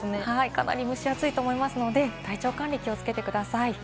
かなり蒸し暑いと思いますので、体調管理、気をつけてください。